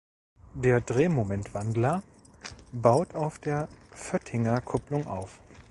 Der Drehmomentwandler baut auf der Föttinger-Kupplung auf.